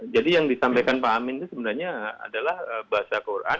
jadi yang disampaikan pak amin itu sebenarnya adalah bahasa al quran